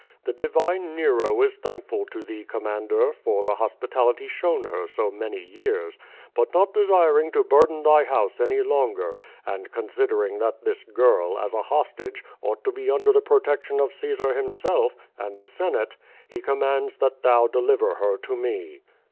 The divine Nero is thank ful to thee, commander, for the hospitality shown her so many years, but not desiring to burden thy house any longer, and considering that this girl, as a hostage, ought to be under the protection of Caesar himself, and the Senate, he com mands that thou deliver her to me."